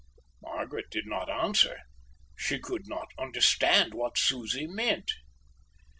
Margaret did not answer; she could not understand what Susie meant.